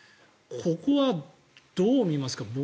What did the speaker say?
ここはどう見ますか。